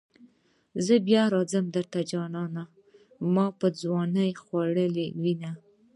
چې بیا راځم درته جانانه ما به ځوانی خوړلې وینه.